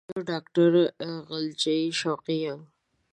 زه ډاکټر غزلچی شوقی یم